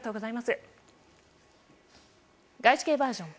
外資系バージョン。